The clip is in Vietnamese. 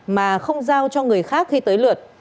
mà không giao cho người khác khi tới lượt